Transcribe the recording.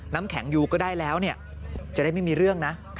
น้ำแข็งยูก็ได้แล้วจะได้ไม่มีเรื่องนะ